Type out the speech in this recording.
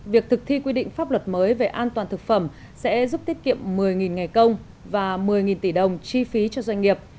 việc thực thi quy định pháp luật mới về an toàn thực phẩm sẽ giúp tiết kiệm một mươi ngày công và một mươi tỷ đồng chi phí cho doanh nghiệp